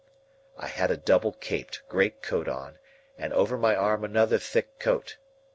I had a double caped great coat on, and over my arm another thick coat.